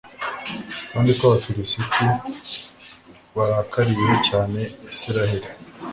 kandi ko abafilisiti barakariye cyane israheli